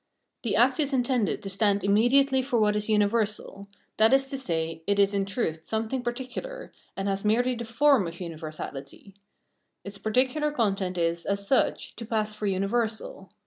The act is intended to stand immediately for what is universal ; that is to say, it is in truth something particular, and has merely the form of universahty : its particular content is, as such, to pass for universal.